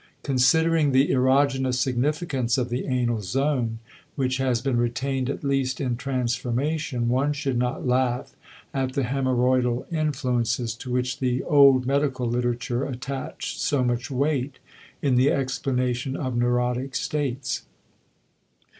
Considering the erogenous significance of the anal zone which has been retained at least in transformation, one should not laugh at the hemorrhoidal influences to which the old medical literature attached so much weight in the explanation of neurotic states.